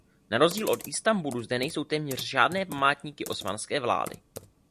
Na rozdíl od Istanbulu zde nejsou téměř žádné památníky osmanské vlády.